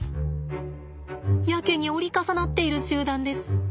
やけに折り重なっている集団です。